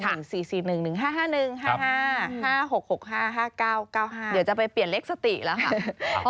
เดี๋ยวจะไปเปลี่ยนเลขสติแล้วค่ะ